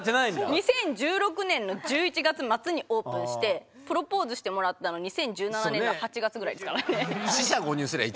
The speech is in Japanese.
２０１６年の１１月末にオープンしてプロポーズしてもらったの２０１７年の８月ぐらいですからね。